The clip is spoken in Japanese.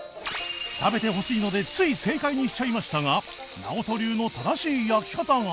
食べてほしいのでつい正解にしちゃいましたがナオト流の正しい焼き方が